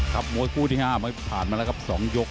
มวยคู่ที่๕มวยผ่านมาแล้วครับ๒ยก